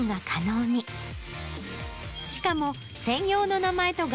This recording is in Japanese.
しかも。